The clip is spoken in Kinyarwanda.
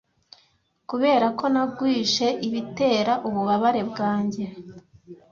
kuberako nagwije ibitera ububabare bwanjye